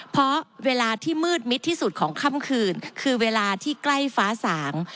เพราะเวลาที่มืดมิดที่สุดของค่ำคืนคือเวลาที่ใกล้ฟ้าสาง